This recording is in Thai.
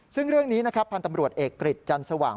ซึ่งเรื่องนี้นะครับพันธ์ตำรวจเอกกริจจันสว่าง